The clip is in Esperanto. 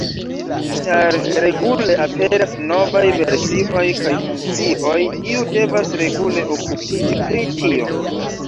Ĉar regule aperas novaj versioj kaj funkcioj, iu devas regule okupiĝi pri tio.